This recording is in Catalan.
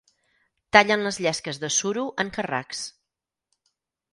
Tallen les llesques de suro en carracs.